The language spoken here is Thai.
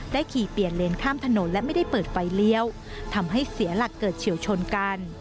ขี่เปลี่ยนเลนข้ามถนนและไม่ได้เปิดไฟเลี้ยวทำให้เสียหลักเกิดเฉียวชนกัน